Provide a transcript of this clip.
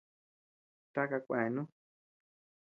¿Taka kuenu?